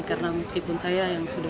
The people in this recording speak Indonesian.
harapan saya ke depannya